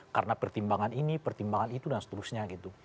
karena pertimbangan ini pertimbangan itu dan seterusnya